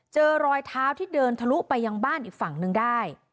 เจอรอยเท้าที่เดินทะลุไปยังบ้านอีกฝั่งนึงได้